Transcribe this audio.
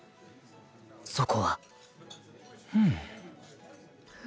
そこは